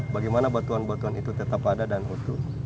bagaimana batuan batuan itu tetap ada dan utuh